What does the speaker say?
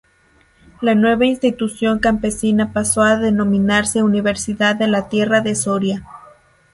La nueva institución campesina pasó a denominarse Universidad de la Tierra de Soria.